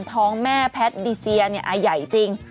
ท้องแม่แพทดิเซียเนี่ยอ่ะใหญ่จริง